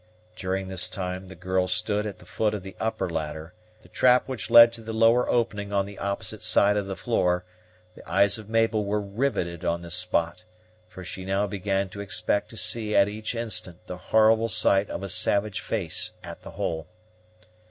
During this time the girl stood at the foot of the upper ladder, the trap which led to the lower opening on the opposite side of the floor; the eyes of Mabel were riveted on this spot, for she now began to expect to see at each instant the horrible sight of a savage face at the hole.